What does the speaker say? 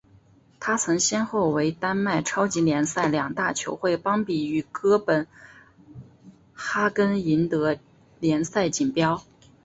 他曾先后为丹麦超级联赛两大球会邦比与哥本哈根赢得联赛锦标。